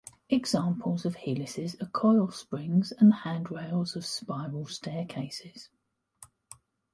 Examples of helices are coil springs and the handrails of spiral staircases.